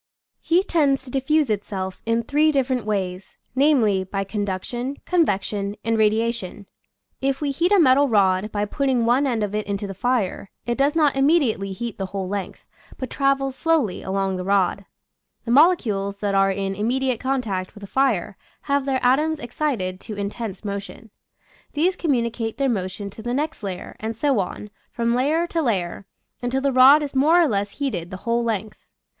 Heat tends to diffuse itself in three different ways, namely, by conduction, convection, and radiation. If we heat a metal rod by putting one end of it into the fire, it does not immediately heat the whole length, but travels slowly along the rod The molecules that are in immediate contact with the fire have their atoms excited to intense motion; these communicate their motion to the next layer, and so on, from layer to layer, until the rod is more or less heated the whole length.